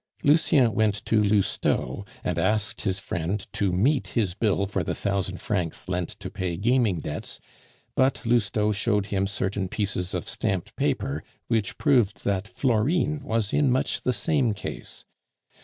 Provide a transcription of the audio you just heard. Lucien went to Lousteau and asked his friend to meet his bill for the thousand francs lent to pay gaming debts; but Lousteau showed him certain pieces of stamped paper, which proved that Florine was in much the same case.